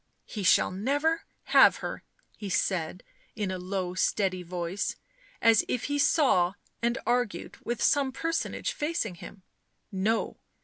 " He shall never have her," he said in a low steady voice, as if he saw and argued with some personage facing him. "No.